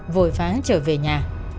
vội vã trở về nhà